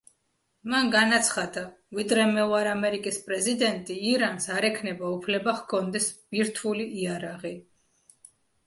მან განაცხადა: „ვიდრე მე ვარ ამერიკის პრეზიდენტი, ირანს არ ექნება უფლება, ჰქონდეს ბირთვული იარაღი“.